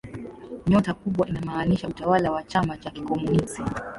Nyota kubwa inamaanisha utawala wa chama cha kikomunisti.